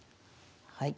はい。